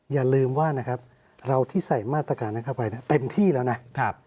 อย่าลืมว่านะครับเราที่ใส่มาตรการนั้นเข้าไปเต็มที่แล้วนะ